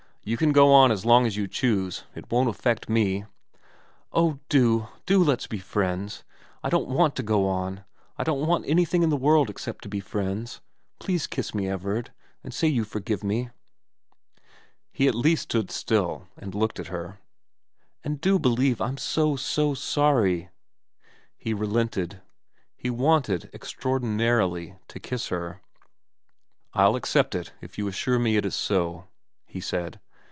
You can go on as long as you choose, it won't affect me.' ' Oh do, do let's be friends. I don't want to go on. I don't want anything in the world except to be friends. Please kiss me, Everard, and say you forgive me ' He at least stood still and looked at her. VERA 247 * And do believe I'm so, so sorry He relented. He wanted, extraordinarily, to kiss her. ' I'll accept it if you assure me it is so,' he said.